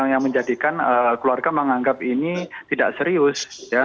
yang menjadikan keluarga menganggap ini tidak serius